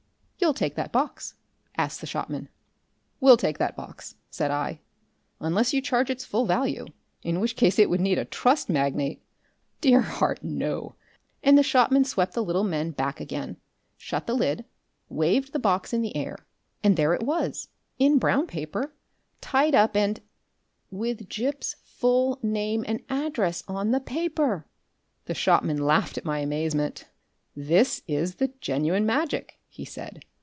"You'll take that box?" asked the shopman. "We'll take that box," said I, "unless you charge its full value. In which case it would need a Trust Magnate " "Dear heart! NO!" and the shopman swept the little men back again, shut the lid, waved the box in the air, and there it was, in brown paper, tied up and WITH GIP'S FULL NAME AND ADDRESS ON THE PAPER! The shopman laughed at my amazement. "This is the genuine magic," he said.